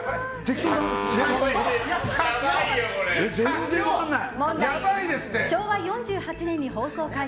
全然分からない。